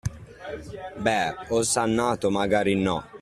Beh, osannato magari no.